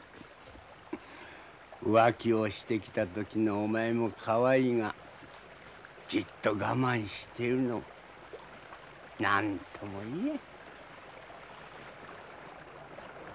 浮気をしてきた時のお前もかわいいがじっと我慢してるのも何とも言えん。